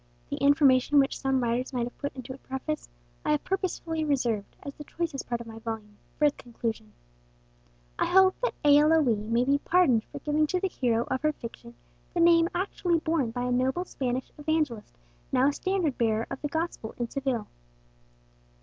The information which some writers might have put into a preface, I have purposely reserved, as the choicest part of my volume, for its conclusion. I hope that A. L. O. E. may be pardoned for giving to the hero of her fiction the name actually borne by a noble Spanish evangelist now a standard bearer of the gospel in Seville.